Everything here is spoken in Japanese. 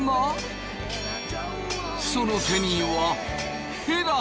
その手にはヘラ！